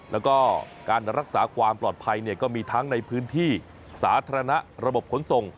แล้วก็การรักษาความปลอดภัยก็มีทั้งในพื้นที่สาธารณะระบบขนส่ง